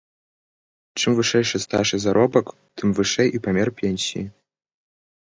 Чым вышэйшы стаж і заробак, тым вышэй і памер пенсіі.